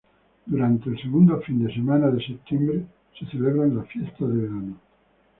Durante el segundo fin de semana de septiembre, se celebran las fiestas de verano.